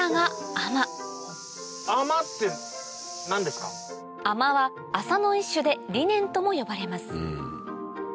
亜麻は麻の一種でリネンとも呼ばれます